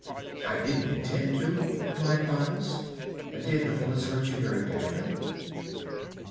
"I don't intend to," replied Files. "Did the bullets hurt you very badly?"